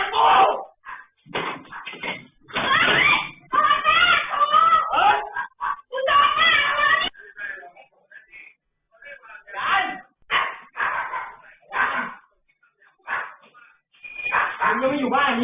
ไปไหน